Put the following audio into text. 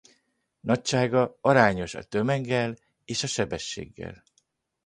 Nagysága arányos a tömeggel és a sebességgel.